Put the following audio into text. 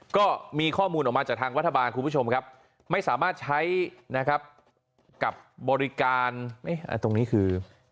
ก็มีข้อมูลออกมาจากทางรัฐบาลคุณผู้ชมครับไม่สามารถใช้นะครับกับบริการตรงนี้คือ